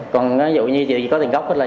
còn dù như chị có tiền gốc thì chị trừ tiền lời đi